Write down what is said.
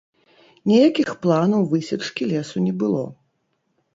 Ніякіх планаў высечкі лесу не было.